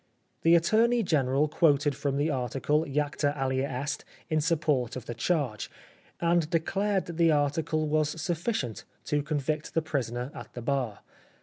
The attorney general quoted from the article " J acta Alea Est " in support of the charge, and declared that that article was sufficient to convict the prisoner at the bar.